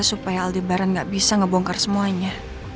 supaya aldebaran gak bisa ngebongkar semuanya